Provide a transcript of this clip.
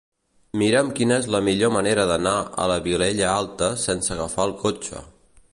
Mira'm quina és la millor manera d'anar a la Vilella Alta sense agafar el cotxe.